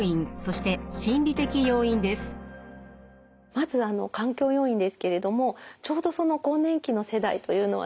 まず環境要因ですけれどもちょうどその更年期の世代というのはですね